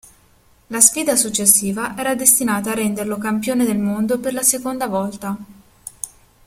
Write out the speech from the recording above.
La sfida successiva era destinata a renderlo campione del mondo per la seconda volta.